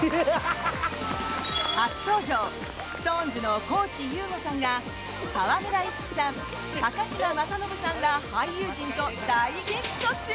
初登場、ＳｉｘＴＯＮＥＳの高地優吾さんが沢村一樹さん、高嶋政伸さんら俳優陣と大激突！